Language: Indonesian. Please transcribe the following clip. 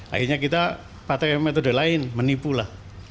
akhirnya kita pakai metode lain menipu lah